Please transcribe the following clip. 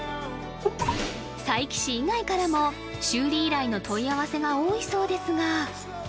佐伯市以外からも修理依頼の問い合わせが多いそうですが